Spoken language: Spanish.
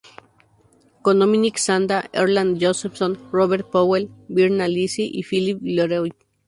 Con Dominique Sanda, Erland Josephson, Robert Powell, Virna Lisi y Phillipe Leroy.